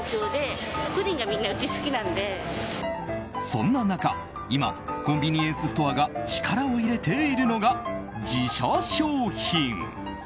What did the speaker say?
そんな中、今コンビニエンスストアが力を入れているのが、自社商品。